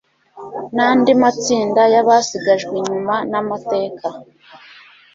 n andi matsinda y abasigajwe inyuman amateka